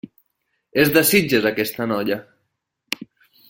És de Sitges, aquesta noia.